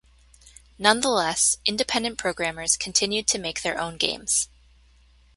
Nonetheless, independent programmers continued to make their own games.